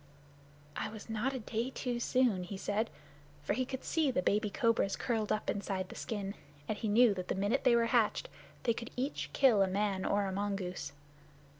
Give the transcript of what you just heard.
"I was not a day too soon," he said, for he could see the baby cobras curled up inside the skin, and he knew that the minute they were hatched they could each kill a man or a mongoose.